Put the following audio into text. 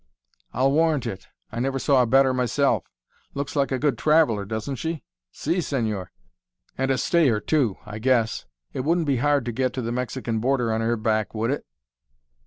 "I'll warrant it! I never saw a better myself. Looks like a good traveller, doesn't she?" "Si, señor." "And a stayer, too, I guess! It wouldn't be hard to get to the Mexican border on her back, would it?"